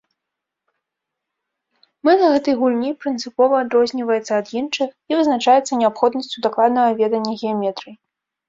Мэта гэтай гульні прынцыпова адрозніваецца ад іншых і вызначаецца неабходнасцю дакладнага ведання геаметрыі.